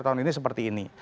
tahun ini seperti ini